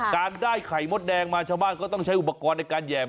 การได้ไข่มดแดงมาชาวบ้านก็ต้องใช้อุปกรณ์ในการแห่ม